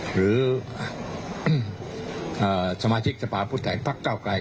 หรือสมาชิกสภาพุทธแห่งภักดิ์เก้าไกร